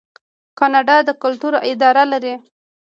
کاناډا د کلتور اداره لري.